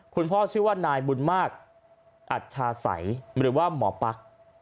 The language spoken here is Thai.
คุณพ่อชื่อว่านายบุญมากอัชชาไสหรือว่าหมอปั๊ก